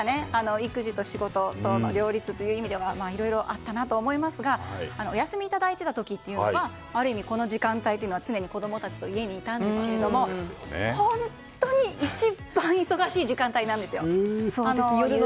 育児と仕事との両立という意味ではいろいろあったなと思いますがお休みをいただいてた時はある意味、この時間帯というのは常に子供たちと家にいたんですけれども本当に一番忙しい時間帯なんですよ。